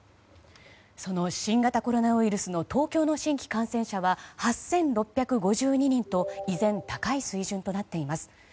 その新型コロナウイルスの東京の新規感染者は８６５２人と依然高い水準となっています。